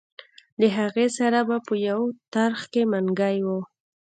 له هغې سره به په یو ترخ کې منګی و.